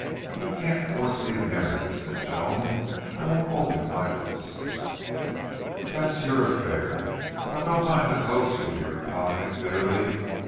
"You can't force me to marry you," said Joan. "I I won't open my lips." "That's your affair. I've no mind to coax you," he replied, bitterly.